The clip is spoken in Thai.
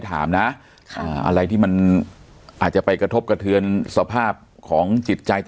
ถามนะอะไรที่มันอาจจะไปกระทบกระเทือนสภาพของจิตใจ